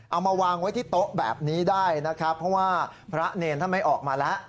เอามาวางไว้ที่โต๊ะแบบนี้ได้นะครับเพราะว่าพระเนรท่านไม่ออกมาแล้ว